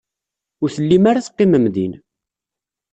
Ur tellim ara teqqimem din.